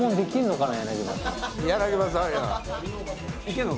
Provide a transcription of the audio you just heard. いけんの？